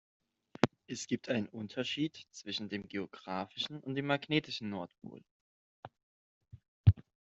Es gibt einen Unterschied zwischen dem geografischen und dem magnetischen Nordpol.